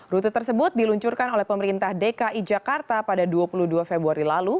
rute tersebut diluncurkan oleh pemerintah dki jakarta pada dua puluh dua februari lalu